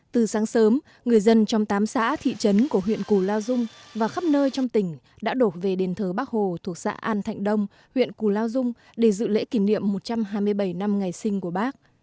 từ sáng sớm người dân trong tám xã thị trấn của huyện củ lao dung và khắp nơi trong tỉnh đã đổ về đền thờ bắc hồ thuộc xã an thạnh đông huyện cù lao dung để dự lễ kỷ niệm một trăm hai mươi bảy năm ngày sinh của bác